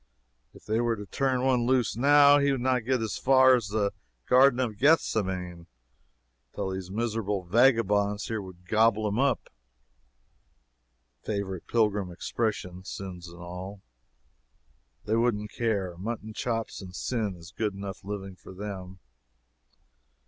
If they were to turn one loose now, he would not get as far as the Garden of Gethsemane, till these miserable vagabonds here would gobble him up, [Favorite pilgrim expression.] sins and all. They wouldn't care. Mutton chops and sin is good enough living for them.